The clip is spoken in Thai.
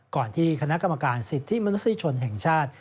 ก่อนที่คณะกรรมการสิทธิมนุษยชนแห่งชาติ